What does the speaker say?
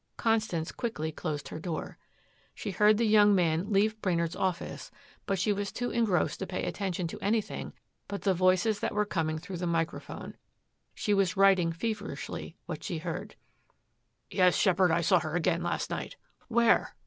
Constance quickly closed her door. She heard the young man leave Brainard's office but she was too engrossed to pay attention to anything but the voices that were coming through the microphone. She was writing feverishly what she heard. "Yes, Sheppard, I saw her again last night." "Where?"